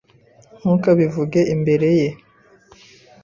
Ntukabivuge imbere ye.